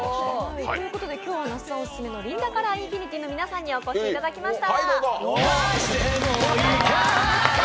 今日は那須さんオススメのリンダカラー∞の皆さんにお越しいただきました。